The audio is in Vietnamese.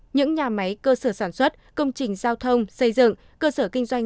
những nhà máy cơ sở sản xuất công trình giao thông xây dựng cơ sở kinh doanh